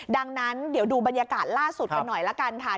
ดังนั้นเดี๋ยวดูบรรยากาศล่าสุดกันหน่อยละกันค่ะ